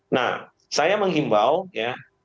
nah saya menghimbaukan